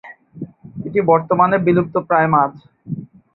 এটি বর্তমানে বিলুপ্তপ্রায় মাছ।